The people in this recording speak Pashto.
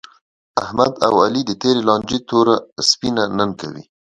احمد او علي د تېرې لانجې توره سپینه نن کوي.